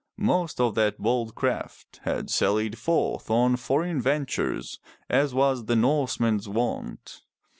Most of that bold craft had sallied forth on foreign ventures as was the Norseman's wont.